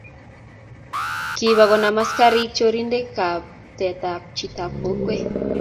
kiba konam askarik chorindetab tetab chitab kokwe